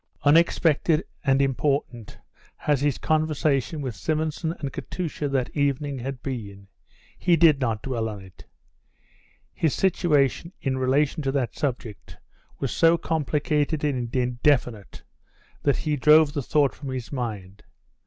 Unexpected and important as his conversation with Simonson and Katusha that evening had been, he did not dwell on it; his situation in relation to that subject was so complicated and indefinite that he drove the thought from his mind.